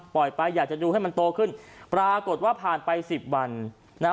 ไปอยากจะดูให้มันโตขึ้นปรากฏว่าผ่านไปสิบวันนะฮะ